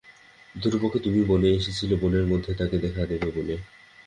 ধ্রুবকে তুমিই বনে এনেছিলে, বনের মধ্যে তাকে দেখা দেবে বলে।